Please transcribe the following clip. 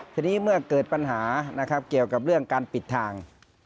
ทีนี้เมื่อเกิดปัญหานะครับเกี่ยวกับเรื่องการปิดทาง